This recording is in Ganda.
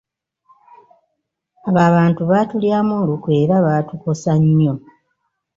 Abo abantu baatulyamu olukwe era baatukosa nnyo.